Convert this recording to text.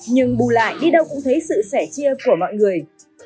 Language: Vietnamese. nhưng bù lại đi đâu cũng thấy sự sẻ chia của mọi người